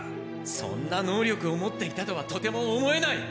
そんな能力を持っていたとはとても思えない！